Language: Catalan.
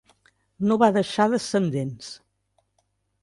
No va deixar descendents.